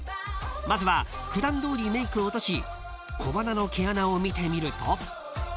［まずは普段どおりメークを落とし小鼻の毛穴を見てみると］